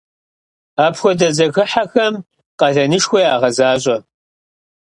Апхуэдэ зэхыхьэхэм къалэнышхуэ ягъэзащӏэ.